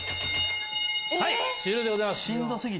終了でございます。